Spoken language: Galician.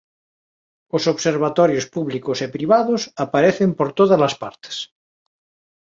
Os observatorios públicos e privados aparecen por tódalas partes.